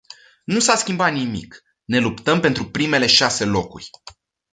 Nu s-a schimbat nimic, ne luptăm pentru primele șase locuri.